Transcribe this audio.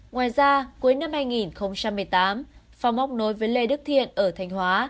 ngoài ra cuối năm hai nghìn một mươi tám phong móc nối với lê đức thiện ở thanh hóa